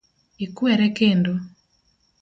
Ikwere kendo.